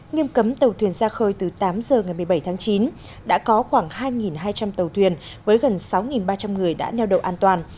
nghiêm cấm tàu thuyền ra khơi từ tám giờ ngày một mươi bảy tháng chín đã có khoảng hai hai trăm linh tàu thuyền với gần sáu ba trăm linh người đã neo đậu an toàn